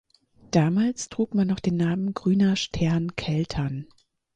Damals trug man noch den Namen "Grüner Stern Keltern".